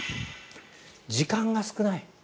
時間が少ない。